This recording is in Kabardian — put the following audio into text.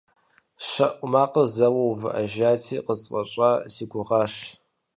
ЩэӀу макъыр зэуэ увыӀэжати, къысфӀэщӀа си гугъащ.